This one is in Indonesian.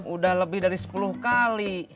udah lebih dari sepuluh kali